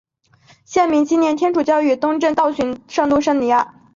县名纪念天主教与东正教殉道圣人圣路济亚。